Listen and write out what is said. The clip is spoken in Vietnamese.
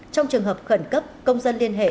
trong trường hợp khẩn cấp công dân liên hệ